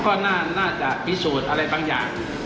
ก็น่าจะพิสูจน์อะไรบางอย่าง